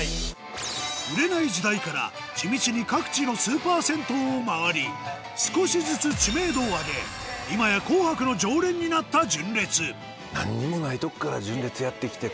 売れない時代から地道に各地のスーパー銭湯を回り少しずつ知名度を上げ今や『紅白』の常連になった純烈